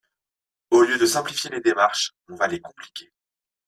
Au lieu de simplifier les démarches, on va les compliquer.